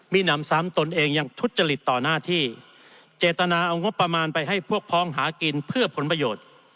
มีหนำซ้ำตนเองยังทุจริตต่อหน้าที่เจตนาเอางบประมาณไปให้พวกพ้องหากินเพื่อผลประโยชน์